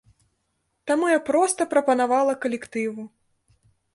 Таму я проста прапанавала калектыву.